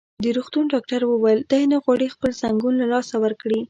د روغتون ډاکټر وویل: دی نه غواړي خپل ځنګون له لاسه ورکړي.